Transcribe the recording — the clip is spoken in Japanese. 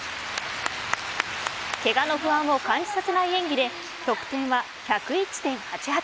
けがの不安を感じさせない演技で得点は１０１．８８